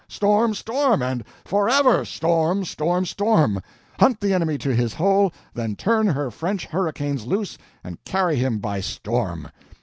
storm! storm! and forever storm! storm! storm! hunt the enemy to his hole, then turn her French hurricanes loose and carry him by storm!